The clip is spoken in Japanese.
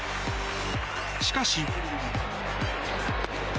しかし。